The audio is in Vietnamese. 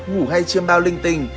ngủ hay chiêm bao linh tinh